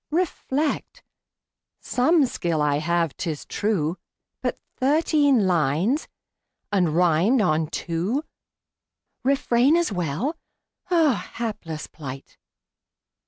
Reflect. Some skill I have, 'tis true; But thirteen lines! and rimed on two! "Refrain" as well. Ah, Hapless plight!